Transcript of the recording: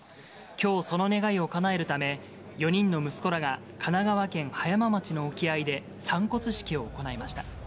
きょう、その願いをかなえるため、４人の息子らが神奈川県葉山町の沖合で、散骨式を行いました。